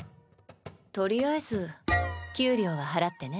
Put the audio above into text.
とりあえず給料は払ってね。